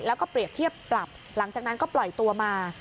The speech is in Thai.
แล้วก็เปรียบเทียบปรับหลังจากนั้นก็ปล่อยตัวมา